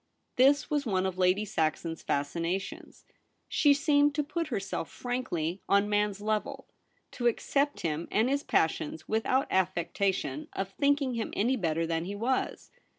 This was one of Lady Saxon's fascinations. She seemed to put herself frankly on man's level, to accept him and his 2o8 THE REBEL ROSE. passions without affectation of thinking him any better than he was.